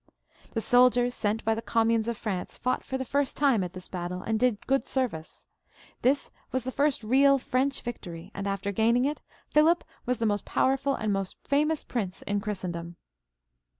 The soldiers sent by the communes of France fought for the first time at this battle, and did good service. This was the first real French victory, and after gaining it, Philip was the most powerful and most famous prince in Christendom.